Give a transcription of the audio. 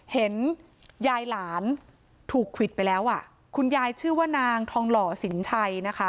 เห็นยายหลานถูกควิดไปแล้วอ่ะคุณยายชื่อว่านางทองหล่อสินชัยนะคะ